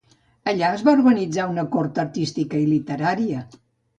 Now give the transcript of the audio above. Allà es va organitzar una cort artística i literària.